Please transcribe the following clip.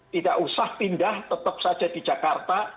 tidak usah pindah tetap saja di jakarta